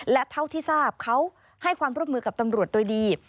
และเท่าที่ทราบเขาให้ความร่วมมือกับตำรวจโดยดี